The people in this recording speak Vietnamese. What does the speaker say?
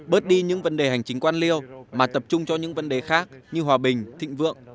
bớt đi những vấn đề hành chính quan liêu mà tập trung cho những vấn đề khác như hòa bình thịnh vượng